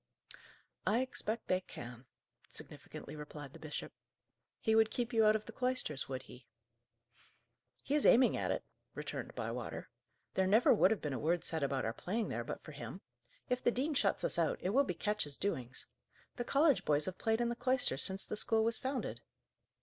"I expect they can," significantly replied the bishop. "He would keep you out of the cloisters, would he?" "He is aiming at it," returned Bywater. "There never would have been a word said about our playing there, but for him. If the dean shuts us out, it will be Ketch's doings. The college boys have played in the cloisters since the school was founded."